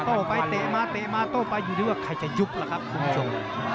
โต้ไปเตะมาเตะมาโต้ไปอยู่ที่ว่าใครจะยุบล่ะครับคุณผู้ชม